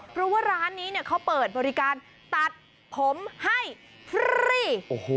เพราะว่าร้านนี้เขาเปิดบริการตัดผมให้ฟรี